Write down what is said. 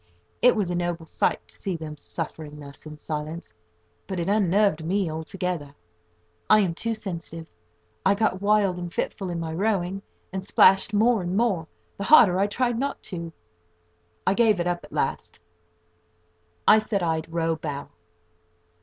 It was a noble sight to see them suffering thus in silence, but it unnerved me altogether. I am too sensitive. I got wild and fitful in my rowing, and splashed more and more, the harder I tried not to. I gave it up at last; I said I'd row bow.